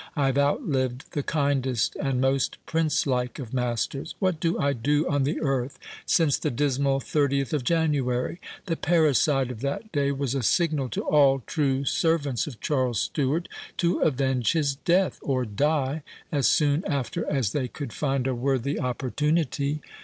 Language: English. I have outlived the kindest and most princelike of masters. What do I do on the earth since the dismal thirtieth of January? The parricide of that day was a signal to all true servants of Charles Stewart to avenge his death, or die as soon after as they could find a worthy opportunity."